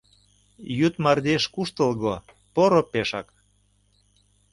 Йӱд мардеж куштылго, поро пешак.